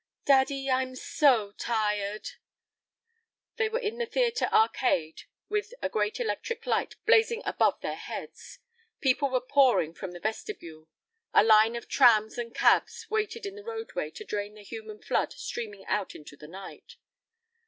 "Daddy, I'm so tired." They were in the theatre arcade with a great electric light blazing above their heads. People were pouring from the vestibule. A line of trams and cabs waited in the roadway to drain the human flood streaming out into the night.